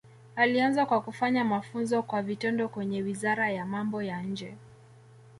Alianza kwa kufanya mafunzo kwa vitendo kwenye Wizara ya Mambo ya Nje